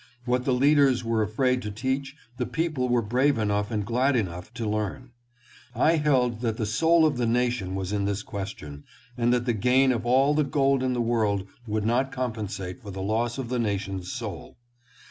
What the leaders were afraid to teach, the people were brave enough and glad enough to learn. I held that the soul of the nation was in this question, and that the gain of all the gold in the world would not compensate for the loss of the nation's soul.